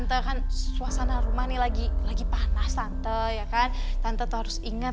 tante ya kan tante tuh harus ingat